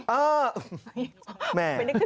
เออแม่